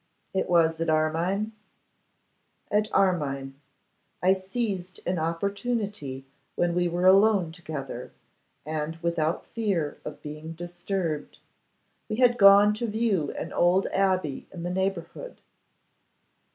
'It was at Armine?' 'At Armine. I seized an opportunity when we were alone together, and without fear of being disturbed. We had gone to view an old abbey in the neighbourhood.